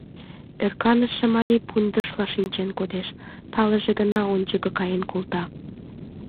Ӧрканыше марий пундышла шинчен кодеш, талыже гына ончыко каен колта.